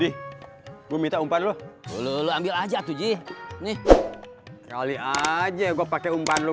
dih gua minta umpan lu lu ambil aja tuh ji nih kali aja gua pakai umpan lu